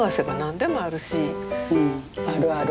あるある。